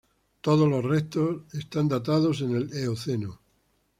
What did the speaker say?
Todos restos son datados del Eoceno.